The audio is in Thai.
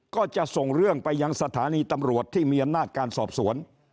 ก็จะส่งเรื่องไปยังสถานีตำรวจที่มีอำนาจการสอบสวน